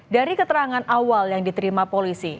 dari keterangan awal yang diterima polisi